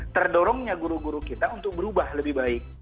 terdorongnya guru guru kita untuk berubah lebih baik